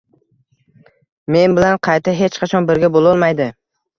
men bilan qayta hech qachon birga boʻlolmaydi